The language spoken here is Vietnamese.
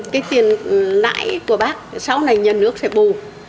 cái tiền lãi của bác sau này nhà nước sẽ bù